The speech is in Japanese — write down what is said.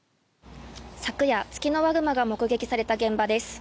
昨夜、ツキノワグマが目撃された現場です。